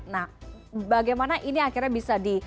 nah bagaimana ini akhirnya bisa di